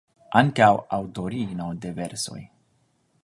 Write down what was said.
Ankaŭ aŭtorino de versoj.